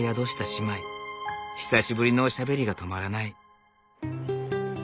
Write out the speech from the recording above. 久しぶりのおしゃべりが止まらない。